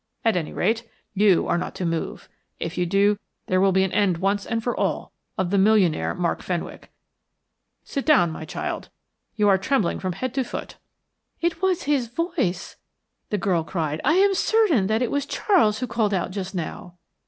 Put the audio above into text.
At any rate, you are not to move. If you do, there will be an end once and for all of the millionaire Mark Fenwick. Sit down, my child you are trembling from head to foot." "It was his voice," the girl cried. "I am certain that it was Charles who called out just now."